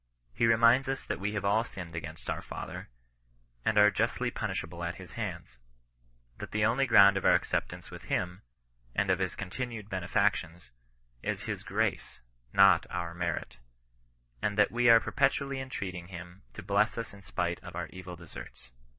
He reminds us that we have all sinned against our Father, and are justly punishable at his hands ; that the only ground of our acceptance with Am, and of his continued benefac tions, is his ORACE, not our merit ; and that we are perpetually entreating him to bless us in spite of our evil deserts.